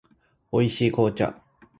美味しい紅茶